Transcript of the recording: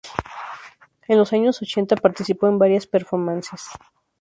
En los años ochenta participó en varias "performances".